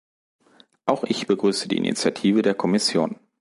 Auch ich begrüße die Initiative der Kommission.